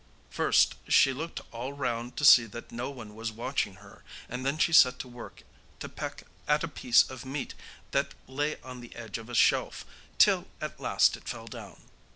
First she looked all round to see that no one was watching her, and then she set to work to peck at a piece of meat that lay on the edge of a shelf, till at last it fell down.